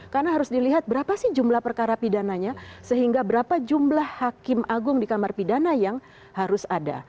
karena harus dilihat berapa sih jumlah perkara pidananya sehingga berapa jumlah hakim agung di kamar pidana yang harus ada